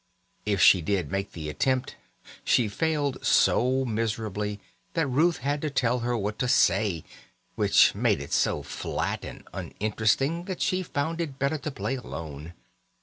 If she did make the attempt, she failed so miserably that Ruth had to tell her what to say, which made it so flat and uninteresting that she found it better to play alone.